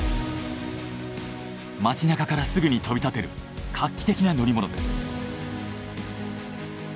街なかからすぐに飛び立てる画期的な乗り物です。